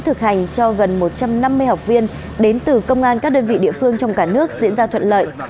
thực hành cho gần một trăm năm mươi học viên đến từ công an các đơn vị địa phương trong cả nước diễn ra thuận lợi